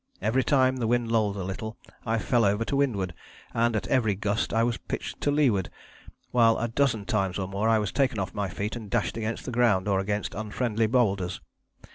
Every time the wind lulled a little I fell over to windward, and at every gust I was pitched to leeward, while a dozen times or more I was taken off my feet and dashed against the ground or against unfriendly boulders.